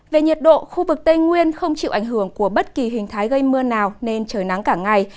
về nhiệt độ khu vực tây nguyên không chịu ảnh hưởng của bất kỳ hình thái gây mưa nào nên trời nắng cả ngày